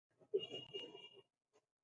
هر څه چې کرې هغه به ریبې